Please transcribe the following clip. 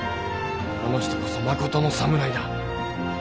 あの人こそまことの侍だ。